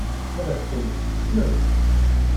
Ad as-tent-tekksem?